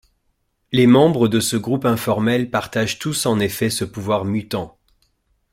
Les membres de ce groupe informel partagent tous en effet ce pouvoir mutant.